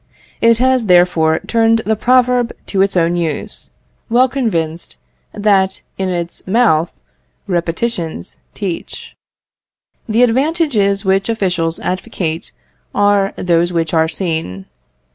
It has, therefore, turned the proverb to its own use, well convinced that, in its mouth, repetitions teach. The advantages which officials advocate are those which are seen.